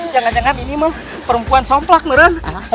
jangan jangan ini perempuan somplak benar